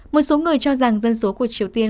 một số người cho rằng dân số của triều tiên